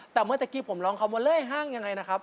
แต่เมื่อตะกี้ผมร้องคำว่าเลื่อยห้างยังไงนะครับ